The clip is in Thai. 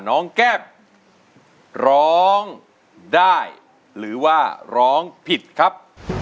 น้องแก้มร้องได้หรือว่าร้องผิดครับ